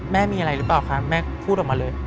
แม่มีอะไรหรือเปล่าคะแม่พูดออกมาเลย